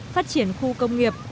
phát triển khu công nghiệp